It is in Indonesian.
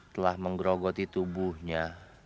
telah menggerogoti tubuhnya